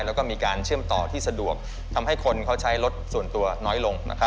แล้วก็มีการเชื่อมต่อที่สะดวกทำให้คนเขาใช้รถส่วนตัวน้อยลง